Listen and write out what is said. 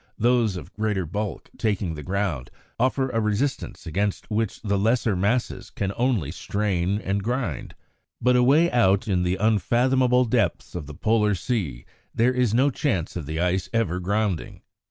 Those of greater bulk, taking the ground, offer a resistance against which the lesser masses can only strain and grind; but away out in the unfathomable depths of the Polar Sea there is no chance of the ice ever grounding.